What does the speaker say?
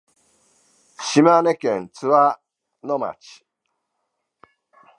島根県津和野町